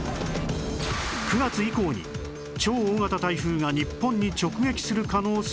９月以降に超大型台風が日本に直撃する可能性が高い！？